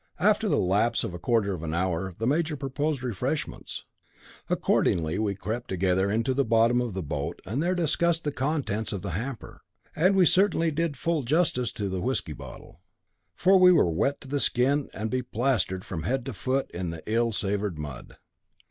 After the lapse of a quarter of an hour, the major proposed refreshments. Accordingly we crept together into the bottom of the boat and there discussed the contents of the hamper, and we certainly did full justice to the whisky bottle. For we were wet to the skin, and beplastered from head to foot in the ill savoured mud.